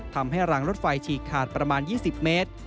ทำให้รางรถไฟฉีกขาดประมาณ๒๐เมตร